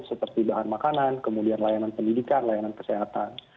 seperti bahan makanan kemudian layanan pendidikan layanan kesehatan